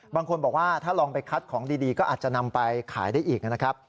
บางคนบอกว่าถ้าลองไปคัดของดีก็อาจจะนำไปขายได้อีกนะครับ